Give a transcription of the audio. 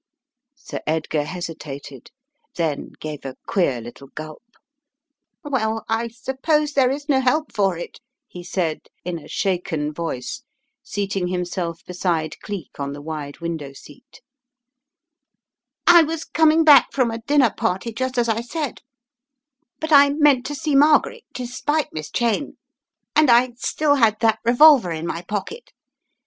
Sir Edgar hesitated, then gave a queer little gulp. "Well, I suppose there is no help for it," he said in a shaken voice, seating himself beside Cleek on the wide window seat. "I was coming back from a dinner party, just as I said, but I meant to see Margaret, despite Miss Cheyne, and I still had CO Tis a Mad World, My Masters" 245 that revolver in my pocket.